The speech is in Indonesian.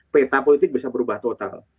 peta politik bisa berubah total